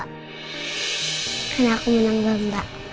karena aku menang bamba